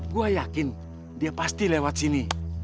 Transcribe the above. gue yakin dia pasti lewat sini